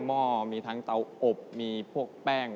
มีทั้งหม่อมีทั้งเตาอบมีพวกแป้ง